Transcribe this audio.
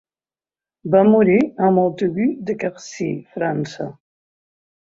Va morir a Montaigu-de-Quercy, França.